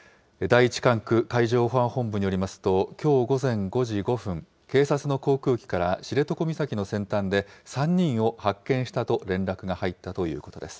第１管区海上保安本部によりますと、きょう午前５時５分、警察の航空機から知床岬の先端で３人を発見したと連絡が入ったということです。